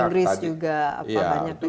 inggris juga banyak juga